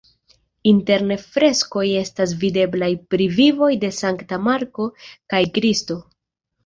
Interne freskoj estas videblaj pri vivoj de Sankta Marko kaj Kristo.